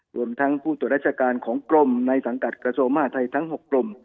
รวมทั้งผู้ตรวจราชการของกรมในสังกัดกระทรวงมหาทัยทั้ง๖กรม